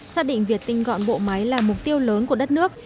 xác định việc tinh gọn bộ máy là mục tiêu lớn của đất nước